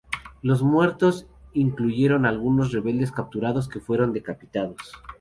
Los muertos incluyeron algunos rebeldes capturados que fueron decapitados.